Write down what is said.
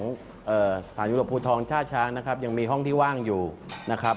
สถานยุโรปภูทองท่าช้างนะครับยังมีห้องที่ว่างอยู่นะครับ